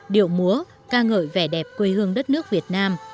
điệu múa ca ngợi vẻ đẹp quê hương đất nước việt nam